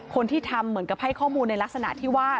คนที่ทำเหมือนกับให้ข้อมูลในลักษณะที่ว่า